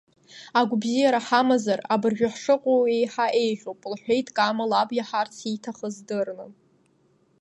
Агәабзиара ҳамазар, абыржәы ҳшыҟоу еиҳа иӷьуп, — лҳәеит Кама, лаб иаҳарц ииҭахыз дырны.